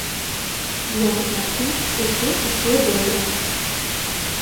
Як бачым, усё ішло добра.